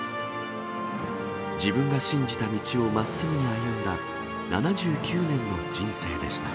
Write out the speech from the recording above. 自分が信じた道をまっすぐに歩んだ７９年の人生でした。